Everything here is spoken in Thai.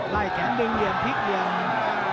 ลายแขนดึงเหลียงพิกเหลียง